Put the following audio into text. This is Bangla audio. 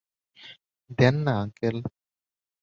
দেন না আংকেল।